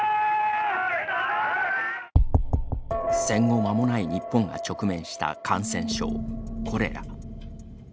戦後間もない日本が直面した感染症コレラ。